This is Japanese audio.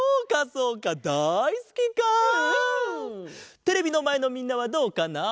テレビのまえのみんなはどうかなあ？